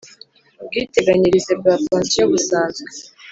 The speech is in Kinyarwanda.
Ubwiteganyirize bwa pansiyo busanzwe